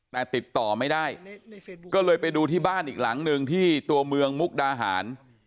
แต่ติดต่อไม่ได้ก็เลยไปดูที่บ้านอีกหลังหนึ่งที่ตัวเมืองมุกดาหาร